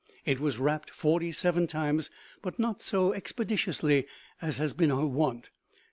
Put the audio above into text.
It was wrapped forty seven times, but not so expeditiously as has been her wont.